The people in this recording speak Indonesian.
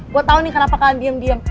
gue tau nih kenapa kalian diem diem